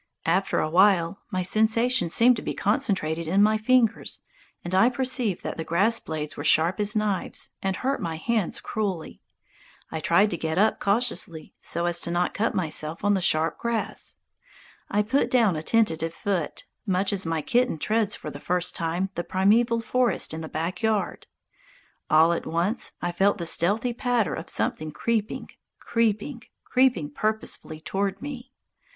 After a while my sensations seemed to be concentrated in my fingers, and I perceived that the grass blades were sharp as knives, and hurt my hands cruelly. I tried to get up cautiously, so as not to cut myself on the sharp grass. I put down a tentative foot, much as my kitten treads for the first time the primeval forest in the backyard. All at once I felt the stealthy patter of something creeping, creeping, creeping purposefully toward me.